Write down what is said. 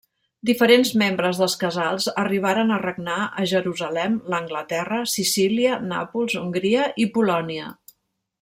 Diferents membres dels Casals arribaren a regnar a Jerusalem, l'Anglaterra, Sicília, Nàpols, Hongria i Polònia.